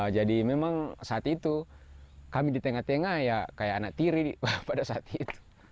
jadi memang saat itu kami di tengah tengah ya kayak anak tiri pada saat itu